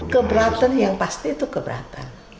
keberatan yang pasti itu keberatan